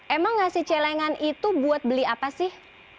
emang enggak sih celengan itu buat beli apa sih